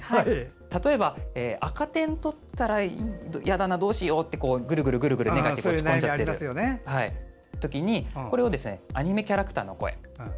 例えば、赤点取ったらいやだなどうしようってぐるぐる頭の中で落ち込んじゃっているときにこれを、アニメキャラクターの声。